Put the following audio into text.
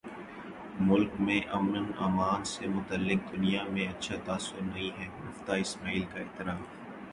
ملک میں امن امان سے متعلق دنیا میں اچھا تاثر نہیں ہے مفتاح اسماعیل کا اعتراف